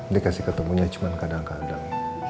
dikasih ketemunya cuma kadang kadang